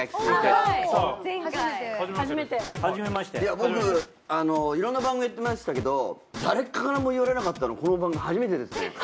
いや僕いろんな番組やってましたけど誰からも言われなかったのこの番組初めてですね。